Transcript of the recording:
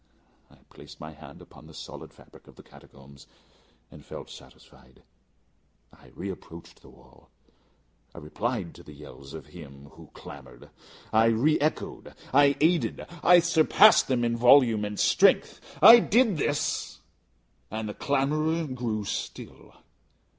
I placed my hand upon the solid fabric of the catacombs, and felt satisfied. I reapproached the wall; I replied to the yells of him who clamoured. I re echoed I aided I surpassed them in volume and in strength. I did this, and the clamourer grew still.